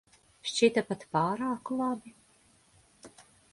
Šķita pat pārāk labi.